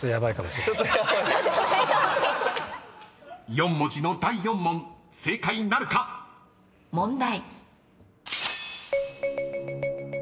［４文字の第４問正解なるか⁉］問題。